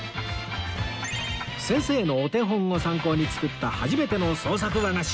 先生のお手本を参考に作った初めての創作和菓子